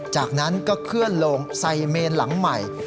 จากนั้นก็เคลื่อนโลงใส่เมนหลังใหม่